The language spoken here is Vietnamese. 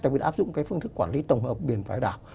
để áp dụng phương thức quản lý tổng hợp biển và đảo